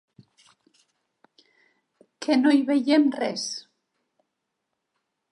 Que no hi veiem res.